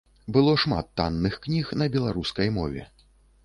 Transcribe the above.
Было шмат танных кніг на беларускай мове.